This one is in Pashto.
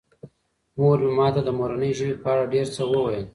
مور مې ماته د مورنۍ ژبې په اړه ډېر څه وویل.